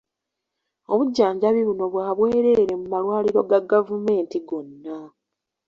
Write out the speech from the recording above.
Obujjanjabi buno bwa bwereere mu malwaliro ga gavumenti gonna.